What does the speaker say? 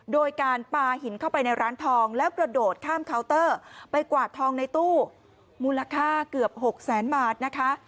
โดยการปลาหินเข้าไปในร้านทองแล้วกระโดดข้ามเคาน์เตอร์ไปกวาดทองในตู้มูลค่าเกือบหกแสนบาทนะคะ